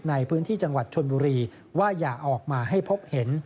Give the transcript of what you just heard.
ในพื้นที่จังหวัดชนบุรีว่าอย่าออกมาให้พบเห็น